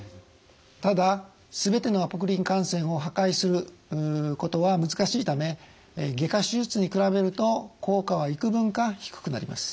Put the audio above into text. ただ全てのアポクリン汗腺を破壊することは難しいため外科手術に比べると効果は幾分か低くなります。